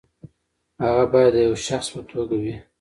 هغه باید د یوه شخص په توګه وي.